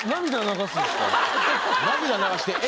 涙流して。